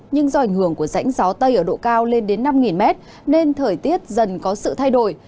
nhưng do ảnh hưởng của rãnh gió tây ở độ cao lên đến năm mét nên thời tiết dần có sự thay đổi